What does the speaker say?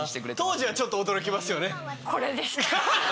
当時はちょっと驚きますよね。